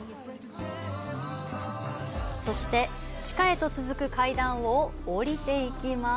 そして、地下へと続く階段を下りていきます。